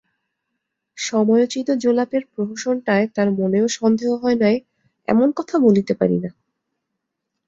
সময়োচিত জোলাপের প্রহসনটায় তার মনেও সন্দেহ হয় নাই, এমন কথা বলিতে পারি না।